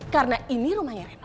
karena ini rumahnya reno